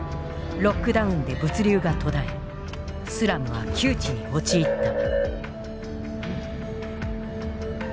ロックダウンで物流が途絶えスラムは窮地に陥った。